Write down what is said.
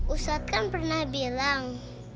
ustadz kan pernah bilang